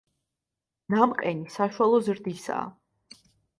ნამყენი საშუალო ზრდისაა.